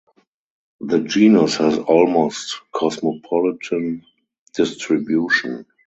The genus has almost cosmopolitan distribution.